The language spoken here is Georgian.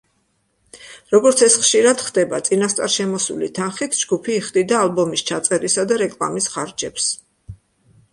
როგორც ეს ხშირად ხდება, წინასწარ შემოსული თანხით ჯგუფი იხდიდა ალბომის ჩაწერისა და რეკლამის ხარჯებს.